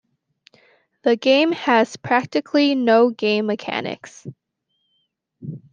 The game has practically no game mechanics.